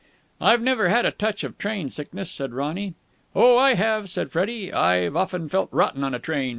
"I've never had a touch of train sickness," said Ronny. "Oh, I have," said Freddie. "I've often felt rotten on a train.